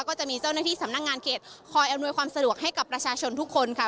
ก็จะมีเจ้าหน้าที่สำนักงานเขตคอยอำนวยความสะดวกให้กับประชาชนทุกคนค่ะ